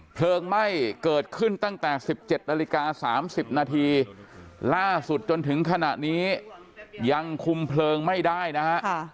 เพลิงไหม้เกิดขึ้นตั้งแต่๑๗นาฬิกา๓๐นาทีล่าสุดจนถึงขณะนี้ยังคุมเพลิงไม่ได้นะฮะ